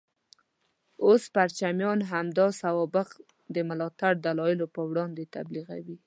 اوس پرچمیان همدا سوابق د ملاتړ دلایلو په توګه تبلیغوي.